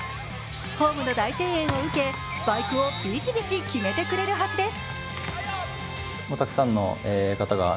ホームの大声援を受けスパイクをビシビシ決めてくれるはずです。